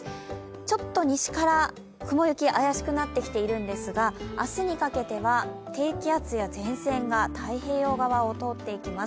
ちょっと西から雲行きが怪しくなってきているんですが、明日にかけては、低気圧や前線が太平洋側を通っていきます。